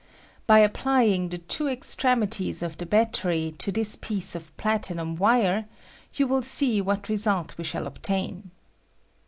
By applying the two ex tremities of the battery to this piece of plati num wire, yoa wUl see what lesult we shall obtain.